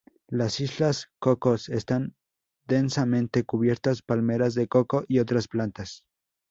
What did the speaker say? Las Islas Cocos están densamente cubiertas palmeras de coco y otras plantas.